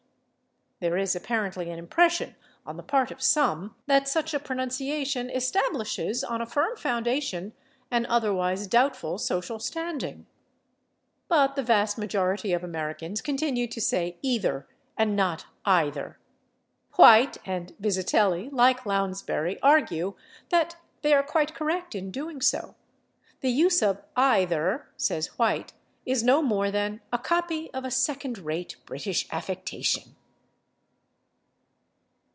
There is apparently an impression on the part of some that such a pronunciation establishes on a firm foundation an otherwise doubtful social standing." But the vast majority of Americans continue to say /ee ther/ and not /eye ther/. White and Vizetelly, like Lounsbury, argue that they are quite correct in so doing. The use of /eye ther/, says White, is no more than "a copy of a second rate British affectation."